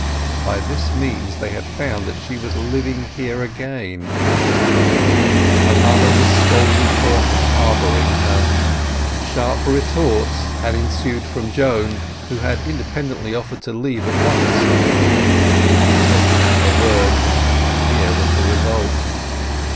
By this means they had found that she was living here again; her mother was scolded for "harbouring" her; sharp retorts had ensued from Joan, who had independently offered to leave at once; she had been taken at her word; and here was the result.